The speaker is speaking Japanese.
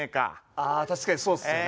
あ確かにそうっすよね。